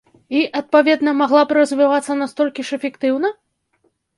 І, адпаведна, магла б развівацца настолькі ж эфектыўна?